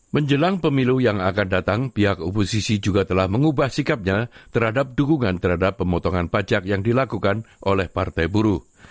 menjelang pemilu yang akan datang pihak oposisi juga telah mengubah sikapnya terhadap dukungan terhadap pemotongan pajak yang dilakukan oleh partai buruh